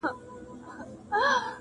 چي یې زړه شي په هغه اور کي سوځېږم-